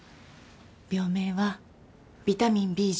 病名はビタミンＢ１２